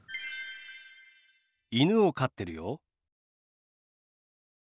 犬を飼ってるよ。